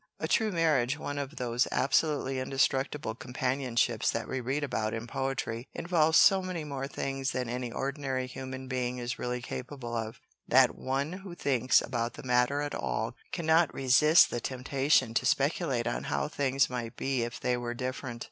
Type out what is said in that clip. A true marriage, one of those absolutely indestructible companionships that we read about in poetry, involves so many more things than any ordinary human being is really capable of, that one who thinks about the matter at all cannot resist the temptation to speculate on how things might be if they were different.